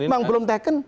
ini kan belum taken